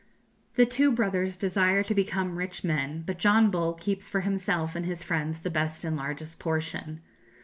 The two brothers desire to become rich men; but John Bull keeps for himself and his friends the best and largest portion.